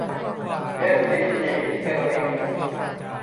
เอสซีจี เซรามิกส์